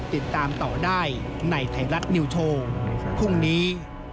ติดตามต่อได้ในไทยรัฐนิวโชว์พรุ่งนี้